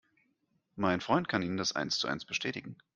Mein Freund kann Ihnen das eins zu eins bestätigen.